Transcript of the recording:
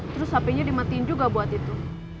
terus hpnya dimatikan juga buat itu